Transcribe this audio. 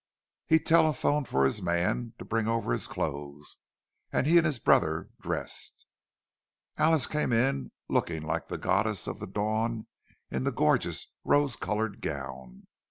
He telephoned for his man to bring over his clothes, and he and his brother dressed. Then Alice came in, looking like the goddess of the dawn in the gorgeous rose coloured gown.